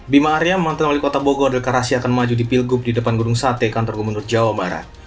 bima arya mantan wali kota bogor dekarasi akan maju di pilgub di depan gunung sate kantor gubernur jawa barat